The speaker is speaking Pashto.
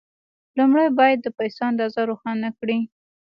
لومړی باید د پيسو اندازه روښانه کړئ.